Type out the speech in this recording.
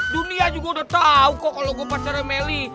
dunia juga udah tau kok kalo gue pacarnya meli